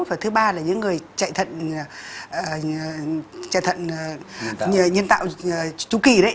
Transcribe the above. và thứ ba là những người chạy thận nhân tạo trú kỳ đấy